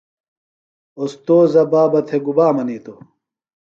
اوستوذہ بابہ تھےۡ گُبا منِیتوۡ؟